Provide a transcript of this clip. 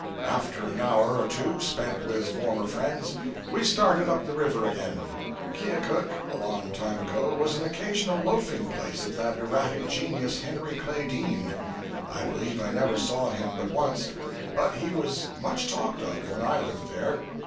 After an hour or two spent with former friends, we started up the river again. Keokuk, a long time ago, was an occasional loafing place of that erratic genius, Henry Clay Dean. I believe I never saw him but once; but he was much talked of when I lived there.